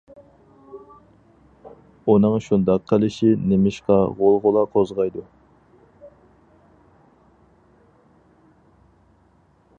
ئۇنىڭ شۇنداق قىلىشى نېمىشقا غۇلغۇلا قوزغايدۇ؟ !